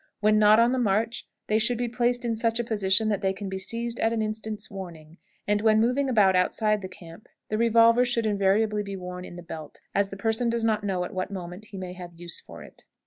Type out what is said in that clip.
When not on the march, they should be placed in such a position that they can be seized at an instant's warning; and when moving about outside the camp, the revolver should invariably be worn in the belt, as the person does not know at what moment he may have use for it.